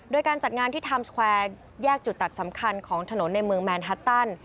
โดยการจัดงานที่ไทม์สแควร์แยกจุดตัดสำคัญของถนนในเมืองแมนฮัตตัน